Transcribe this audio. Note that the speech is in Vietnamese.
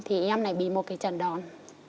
thì em này bị một trận đòn